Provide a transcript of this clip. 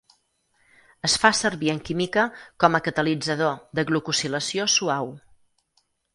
Es fa servir en química com a catalitzador de glucosilació suau.